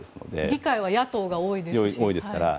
議会は野党が多いですからね。